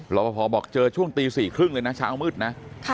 รอปภบอกเจอช่วงตี๔๓๐เลยนะเช้ามืดนะ